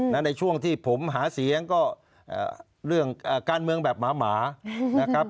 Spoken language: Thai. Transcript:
ในช่วงที่ผมหาเสียงก็เรื่องการเมืองแบบหมานะครับ